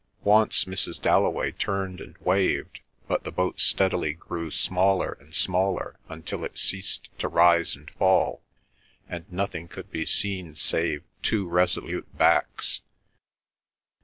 Once Mrs. Dalloway turned and waved; but the boat steadily grew smaller and smaller until it ceased to rise and fall, and nothing could be seen save two resolute backs.